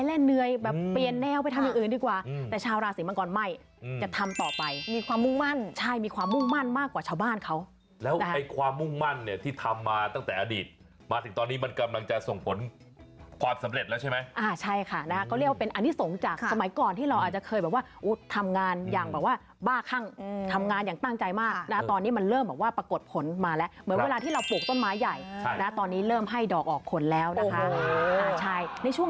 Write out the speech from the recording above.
เรียกว่าเป็นราศรีที่เหมือนกับว่าเวลาทำงานอยากจะให้งามันออกมาดีที่สุด